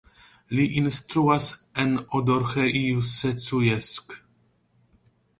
Li instruas en Odorheiu Secuiesc.